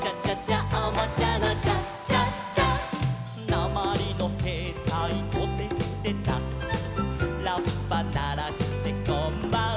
「なまりのへいたいトテチテタ」「ラッパならしてこんばんは」